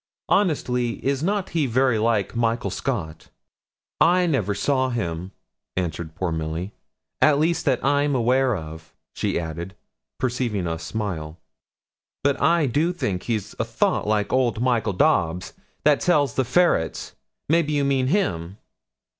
Honestly, is not he very like Michael Scott?' 'I never saw him,' answered poor Milly. 'At least, that I'm aware of,' she added, perceiving us smile. 'But I do think he's a thought like old Michael Dobbs, that sells the ferrets, maybe you mean him?'